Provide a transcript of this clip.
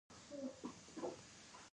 د زړه حمله د رګونو بندېدو له امله ده.